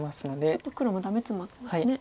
ちょっと黒もダメツマってますね。